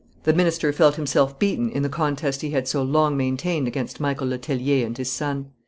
The minister felt himself beaten in the contest he had so long maintained against Michael Le Tellier and his son.